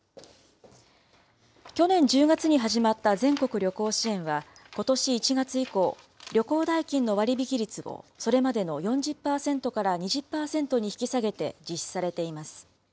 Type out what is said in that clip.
去年１０月に始まった全国旅行支援は、ことし１月以降、旅行代金の割引率をそれまでの４０％から２０％に引き下げて実施されています。